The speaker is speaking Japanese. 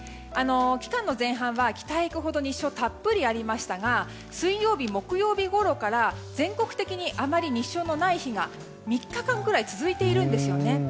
期間の前半は北へ行くほど日照がたっぷりありましたが水曜日、木曜日ごろから全国的にあまり日照のない日が３日間ぐらい続いているんですね。